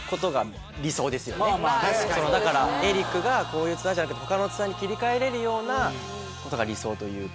だからエリックがこういうツアーじゃなくて他のツアーに切り替えれるようなことが理想というか。